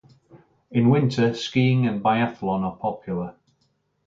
In winter, skiing and biathlon are popular.